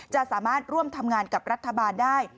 จะสามารถร่วมทำงานกับรัฐบาลได้